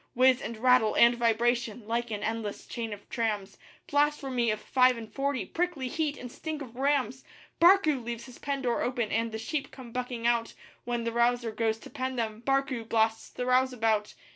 Whiz and rattle and vibration, like an endless chain of trams; Blasphemy of five and forty prickly heat and stink of rams! 'Barcoo' leaves his pen door open and the sheep come bucking out; When the rouser goes to pen them, 'Barcoo' blasts the rouseabout.